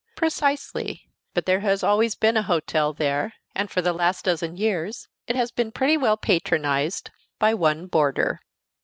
Precisely; but there has always been a hotel there, and for the last dozen years it has been pretty well patronized by one boarder.